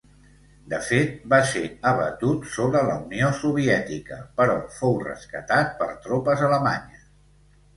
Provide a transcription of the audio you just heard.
De fet, va ser abatut sobre la Unió Soviètica, però fou rescatat per tropes alemanyes.